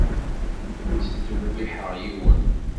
Ur ttdewwiḥeɣ yiwen.